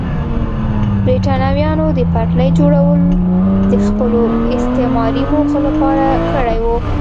برېټانویانو د پټلۍ جوړول د خپلو استعماري موخو لپاره کړي وو.